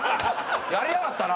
やりやがったな！